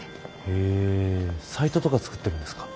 へえサイトとか作ってるんですか。